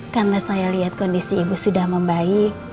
karena saya lihat kondisi ibu sudah membaik